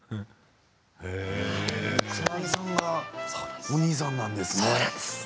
草なぎさんがお兄さんなんですね